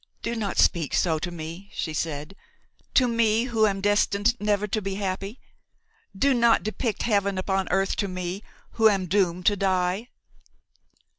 "Do not speak so to me," she said–"to me who am destined never to be happy; do not depict heaven upon earth to me who am doomed to die."